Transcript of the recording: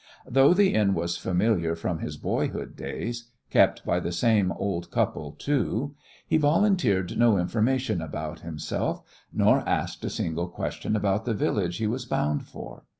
Though the inn was familiar from his boyhood days, kept by the same old couple, too, he volunteered no information about himself, nor asked a single question about the village he was bound for.